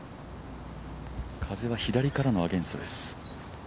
風は左からのアゲンストです。